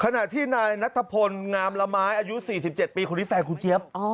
ขณะที่นายนัทพลงามละไม้อายุ๔๗ปีคนนี้แฟนคุณเจี๊ยบ